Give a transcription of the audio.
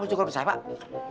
mau jokor bersahabat